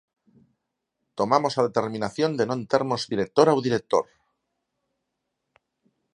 Tomamos a determinación de non termos directora ou director.